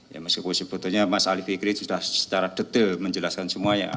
ya meskipun sebetulnya mas ali fikri sudah secara detail menjelaskan semuanya